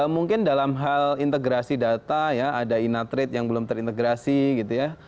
mungkin dalam hal integrasi data ya ada inat rate yang belum terintegrasi gitu ya